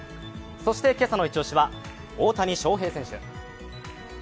そして今朝のイチ押しは大谷翔平選手。